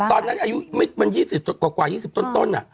ตอนนั้นอายุมัน๒๐กว่า๒๐ต้น